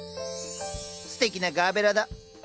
すてきなガーベラだ。